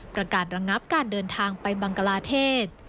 ประกาศระงับการเดินทางไปบังกลาเทศ